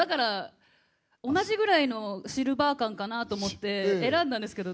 だから、同じぐらいのシルバー感かなと思って、選んだんですけど。